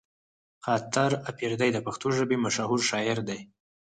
خاطر اپريدی د پښتو ژبې مشهوره شاعر دی